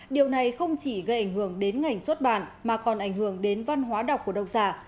điều này không chỉ gây ảnh hưởng đến ngành xuất bản mà còn ảnh hưởng đến văn hóa đọc của độc giả